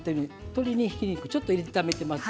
鶏ひき肉ちょっと炒めています。